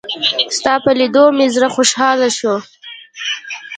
ستا په لېدو مې زړه خوشحاله شو.